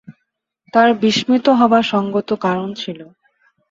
তাঁর বিস্মিত হবার সঙ্গত কারণ ছিল।